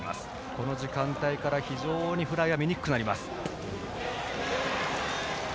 この時間帯から非常にフライが見にくくなります。